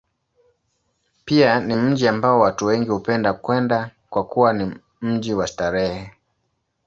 Pia ni mji ambao watu wengi hupenda kwenda, kwa kuwa ni mji wa starehe.